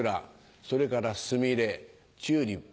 それからスミレチューリップ。